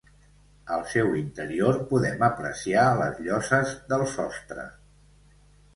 Al seu interior podem apreciar les lloses del sostre.